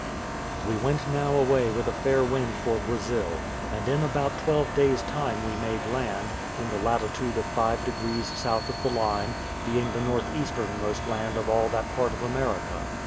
We went now away with a fair wind for Brazil; and in about twelve days' time we made land, in the latitude of five degrees south of the line, being the north easternmost land of all that part of America.